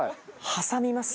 挟みます。